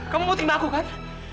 kamu mau tim aku kan